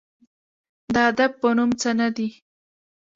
د ادب په نوم څه نه دي